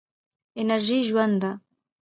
انرژي ژوند ده.